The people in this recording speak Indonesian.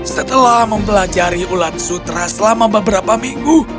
setelah mempelajari ulat sutra selama beberapa minggu